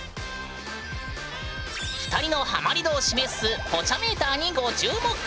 ２人のハマり度を示すポチャメーターにご注目！